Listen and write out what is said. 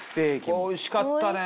ここおいしかったね。